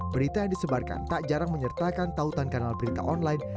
berita yang disebarkan tak jarang menyertakan tautan kanal berita online